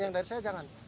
yang dari saya jangan